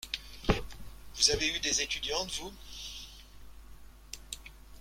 Vous avez eu des étudiantes vous?